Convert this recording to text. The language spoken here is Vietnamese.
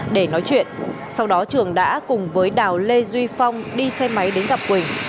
để nói chuyện sau đó trường đã cùng với đào lê duy phong đi xe máy đến gặp quỳnh